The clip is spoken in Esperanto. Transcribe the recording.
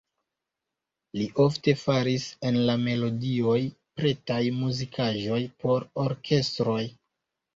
Li ofte faris el la melodioj pretaj muzikaĵoj por orkestroj.